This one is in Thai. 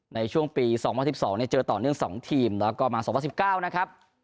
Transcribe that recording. ในช่วงปี๒๐๑๒เจอต่อเนื่อง๒ทีมแล้วก็มา๒๐๑๙นะครับ